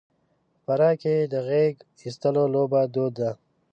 په فراه کې د غېږاېستلو لوبه دود ده.